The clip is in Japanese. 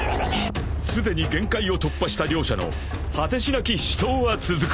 ［すでに限界を突破した両者の果てしなき死闘は続く］